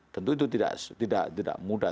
tentu itu tidak mudah